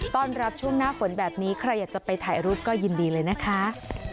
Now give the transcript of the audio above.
ต้อนรับช่วงหน้าฝนแบบนี้ใครอยากจะไปถ่ายรูปก็ยินดีเลยนะคะ